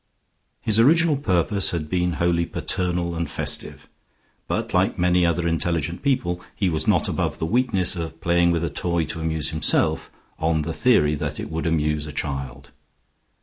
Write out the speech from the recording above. His original purpose had been wholly paternal and festive. But, like many other intelligent people, he was not above the weakness of playing with a toy to amuse himself, on the theory that it would amuse a child.